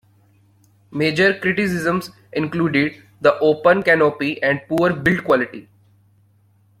Major criticisms included the open canopy and poor build quality.